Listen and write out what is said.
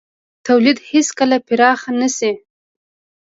تولید هېڅکله پراخ نه شي.